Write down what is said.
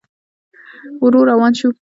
ورو روان شو.